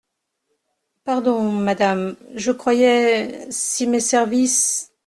Pardon, madame… je croyais… si mes services…